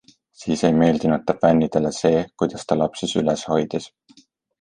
Siis ei meeldinud ta fännidele see, kuidas ta lapsi süles hoidis.